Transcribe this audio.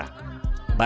baris krim penjara